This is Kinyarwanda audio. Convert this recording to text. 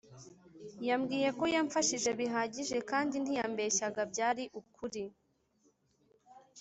yambwiye ko yamfashije bihagije kandi ntiyabeshyaga byari ukuri